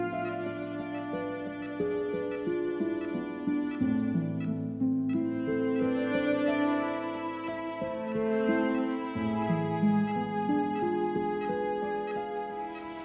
aku mau ke rumah